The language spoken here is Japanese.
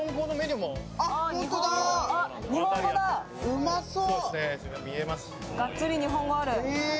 うまそう。